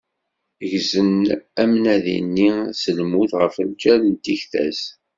Ggzen amnadi-nni s lmut ɣef lǧal n tikta-s.